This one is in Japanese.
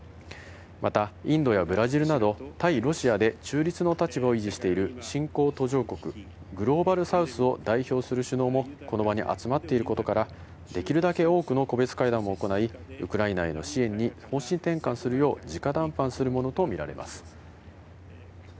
また、インドやブラジルなど、対ロシアで中立の立場を維持している新興途上国、グローバルサウスを代表する首脳もこの場に集まっていることから、できるだけ多くの個別会談を行い、ウクライナへの支援に方針転換するよう、じか談判するものと見られます。